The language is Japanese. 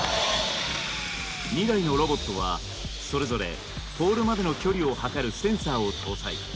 ２台のロボットはそれぞれポールまでの距離を測るセンサーを搭載。